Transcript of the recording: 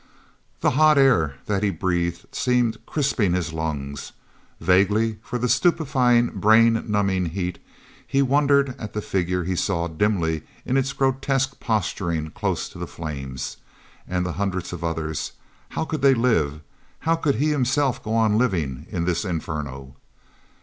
The hot air that he breathed seemed crisping his lungs. Vaguely, for the stupefying, brain numbing heat, he wondered at the figure he saw dimly in its grotesque posturing close to the flames. And the hundreds of others—how could they live? How could he himself go on living in this inferno?